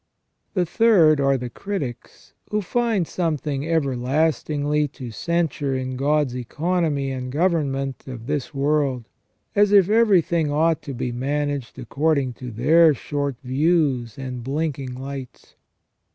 The third are the critics, who find something ever lastingly to censure in God's economy and government of this world ; as if everything ought to be managed according to their CREA TION AND PRO VIDENCE. 99 short views and blinking lights.